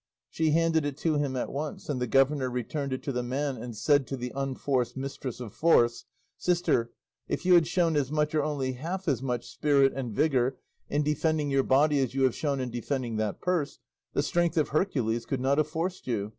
She handed it to him at once, and the governor returned it to the man, and said to the unforced mistress of force, "Sister, if you had shown as much, or only half as much, spirit and vigour in defending your body as you have shown in defending that purse, the strength of Hercules could not have forced you.